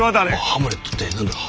ハムレットって何だ？